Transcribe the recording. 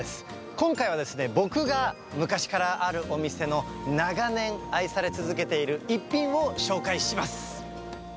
今回はですね、僕が昔からあるお店の長年、愛され続けている逸品を紹介します。